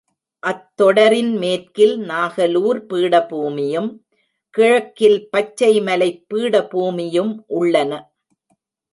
அத்தொடரின் மேற்கில் நாகலூர் பீடபூமியும், கிழக்கில் பச்சை மலைப் பீடபூமியும் உள்ளன.